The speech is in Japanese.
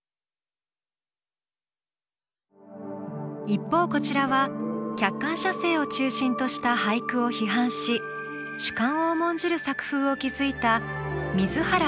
一方こちらは客観写生を中心とした俳句を批判し主観を重んじる作風を築いた水原秋桜子。